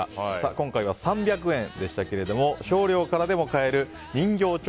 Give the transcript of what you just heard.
今回は３００円でしたけれども少量からでも帰る人形町